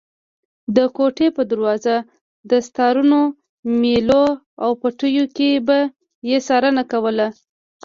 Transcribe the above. د کوټې په دروازه، دستارونو، مېلو او پټیو کې به یې څارنه کوله.